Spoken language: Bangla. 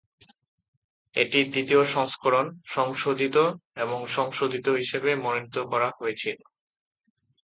এটি "দ্বিতীয় সংস্করণ, সংশোধিত এবং সংশোধিত" হিসাবে মনোনীত করা হয়েছিল।